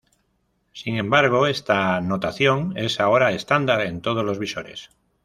Sin embargo, esta notación es ahora estándar en todos los visores.